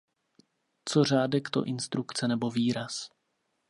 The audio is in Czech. Co řádek to instrukce nebo výraz.